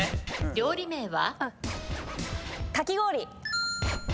料理名は？